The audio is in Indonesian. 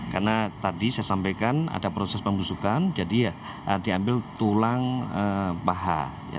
karena tadi saya sampaikan ada proses pembusukan jadi diambil tulang paha